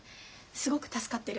すごく助かってる。